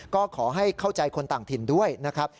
ก็ขอให้เข้าใจคนต่างถิ่นด้วยนะครับ